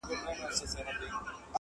لړۍ د اوښکو ګريوانه ته تلله.!